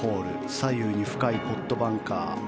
左右に深いポットバンカー。